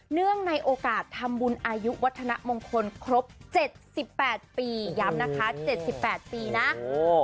เนื่องในโอกาสทำบุญอายุวัฒนมงคลครบเจ็ดสิบแปดปีย้ำนะคะเจ็ดสิบแปดปีนะโอ้